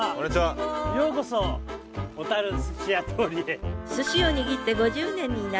ようこそ小寿司屋通りへ。